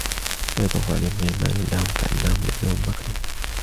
وَيَطُوفُ عَلَيْهِمْ غِلْمَانٌ لَهُمْ كَأَنَّهُمْ لُؤْلُؤٌ مَكْنُونٌ